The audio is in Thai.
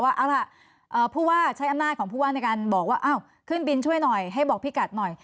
ว่าเอาล่ะผู้ว่าใช้อำนาจของผู้ว่าในการบอกว่าขึ้นบินช่วยหน่อยให้บอกพี่กัดหน่อย